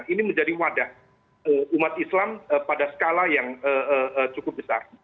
ini menjadi wadah umat islam pada skala yang cukup besar